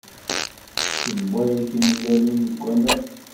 Tsewway timellalin deg waman